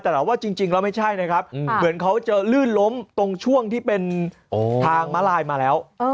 แต่ว่าจริงแล้วไม่ใช่นะครับเหมือนเขาจะลื่นล้มตรงช่วงที่เป็นทางม้าลายมาแล้ว